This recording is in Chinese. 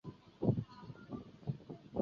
曾祖父朱楚望。